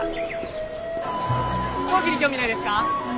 飛行機に興味ないですか？